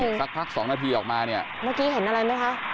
สักพักสองนาทีออกมาเนี่ยเมื่อกี้เห็นอะไรไหมคะ